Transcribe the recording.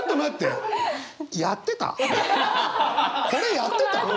これやってた？